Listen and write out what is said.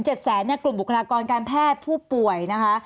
แสนเนี่ยกลุ่มบุคลากรการแพทย์ผู้ป่วยนะคะ